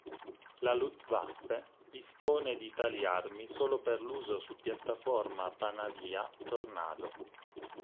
La Luftwaffe dispone di tali armi solo per l'uso su piattaforma Panavia Tornado.